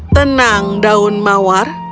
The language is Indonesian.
tenang daun mawar